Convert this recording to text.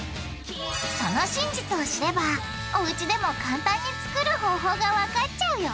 その真実を知ればおうちでも簡単に作る方法がわかっちゃうよ！